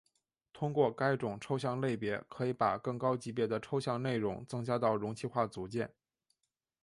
通过该种抽象类别可以把更高级别的抽象内容增加到容器化组件。